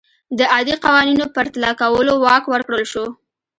د عادي قوانینو پرتله کولو واک ورکړل شو.